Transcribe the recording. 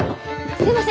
すみません。